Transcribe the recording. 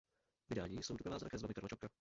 Vydání jsou doprovázena kresbami Karla Čapka.